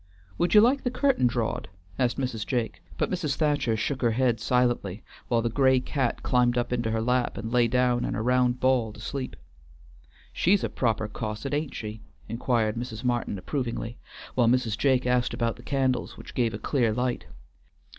"Would ye like the curtain drawed?" asked Mrs. Jake. But Mrs. Thacher shook her head silently, while the gray cat climbed up into her lap and laid down in a round ball to sleep. "She's a proper cosset, ain't she?" inquired Mrs. Martin approvingly, while Mrs. Jake asked about the candles, which gave a clear light.